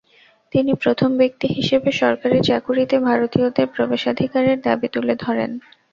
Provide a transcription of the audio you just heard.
তিনি প্রথম ব্যক্তি হিসেবে সরকারি চাকুরিতে ভারতীয়দের প্রবেশাধিকারের দাবি তুলে ধরেন।